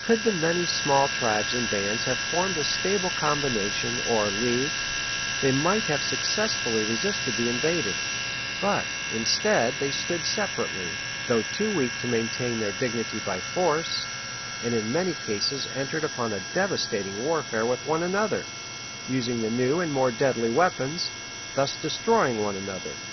Could the many small tribes and bands have formed a stable combination or league, they might have successfully resisted the invader; but instead they stood separately, though too weak to maintain their dignity by force, and in many cases entered upon a devastating warfare with one another, using the new and more deadly weapons, thus destroying one another.